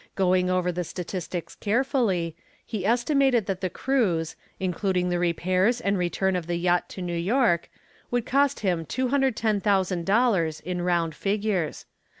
Going over the statistics carefully, he estimated that the cruise, including the repairs and return of the yacht to New York, would cost him $210,000 in round figures.